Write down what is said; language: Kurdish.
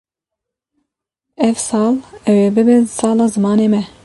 Ev sal ew ê bibe sala zimanê me.